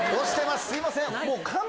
すいません。